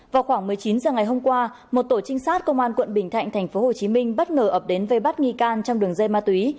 vào khoảng một mươi chín h ngày hôm qua một tổ trinh sát công an quận bình thạnh thành phố hồ chí minh bất ngờ ập đến vây bắt nghi can trong đường dây ma túy